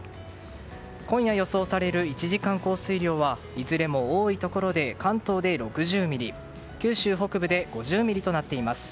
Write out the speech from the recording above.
今夜予想される１時間降水量はいずれも多いところで関東で６０ミリ九州北部で５０ミリとなっています。